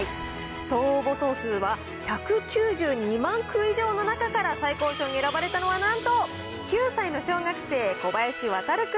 総応募総数は１９２万句以上の中から最高賞に選ばれたのは、なんと９歳の小学生、小林航君。